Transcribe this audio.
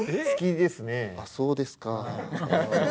そうですか